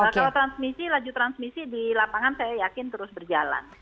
kalau transmisi laju transmisi di lapangan saya yakin terus berjalan